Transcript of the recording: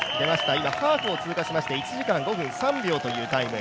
今、ハーフを通過しまして１時間５分３秒というタイム。